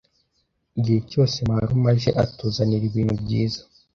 Igihe cyose marume aje, atuzanira ibintu byiza.